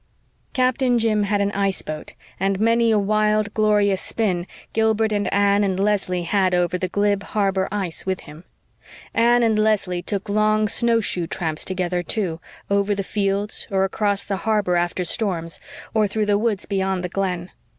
Captain Jim had an ice boat, and many a wild, glorious spin Gilbert and Anne and Leslie had over the glib harbor ice with him. Anne and Leslie took long snowshoe tramps together, too, over the fields, or across the harbor after storms, or through the woods beyond the Glen.